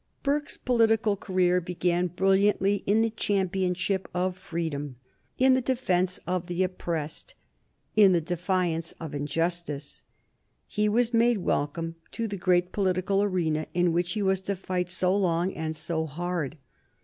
Burke's political career began brilliantly in the championship of freedom, in the defence of the oppressed, in the defiance of injustice. He was made welcome to the great political arena in which he was to fight so long and so hard.